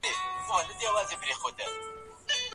کابل کوچنی ښار نه دی.